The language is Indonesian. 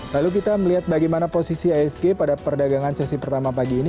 lalu kita melihat bagaimana posisi isg pada perdagangan sesi pertama pagi ini